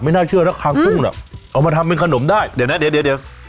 ไม่น่าเชื่อนะคางกุ้งเนี้ยเอามาทำเป็นขนมได้เดี๋ยวนะเดี๋ยวเดี๋ยว